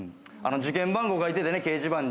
受験番号書いててね掲示板に。